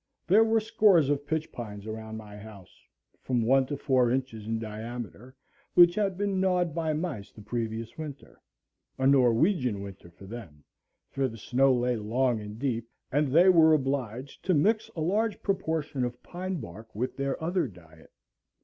There were scores of pitch pines around my house, from one to four inches in diameter, which had been gnawed by mice the previous winter,—a Norwegian winter for them, for the snow lay long and deep, and they were obliged to mix a large proportion of pine bark with their other diet.